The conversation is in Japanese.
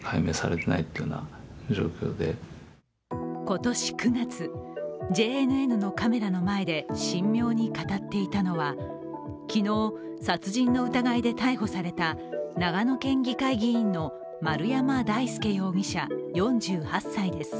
今年９月、ＪＮＮのカメラの前で神妙に語っていたのは、昨日、殺人の疑いで逮捕された長野県議会議員の丸山大輔容疑者４８歳です。